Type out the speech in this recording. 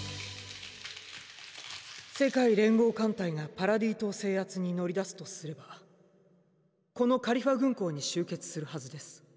世界連合艦隊がパラディ島制圧に乗り出すとすればこのカリファ軍港に集結するはずです。